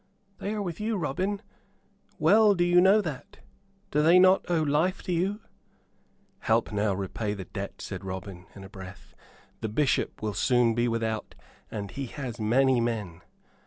"They are with you, Robin. Well do you know that. Do they not owe life to you?" "Help now repay the debt," said Robin, in a breath. "The Bishop will soon be without, and he has many men."